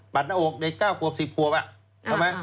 หน้าอกเด็ก๙ขวบ๑๐ขวบใช่ไหม